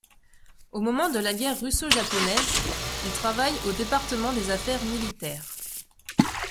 Au moment de la guerre russo-japonaise, il travaille au département des affaires militaires.